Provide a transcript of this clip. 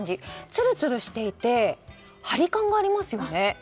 つるつるしていてハリ感がありますよね。